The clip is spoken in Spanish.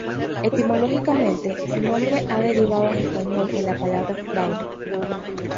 Etimológicamente, su nombre ha derivado en español en la palabra fraude.